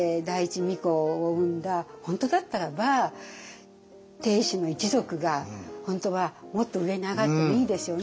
本当だったらば定子の一族が本当はもっと上に上がってもいいですよね。